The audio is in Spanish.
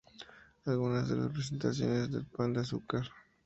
Algunas de las presentaciones del ""pan de azúcar"".